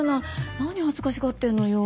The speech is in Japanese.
何恥ずかしがってんのよ。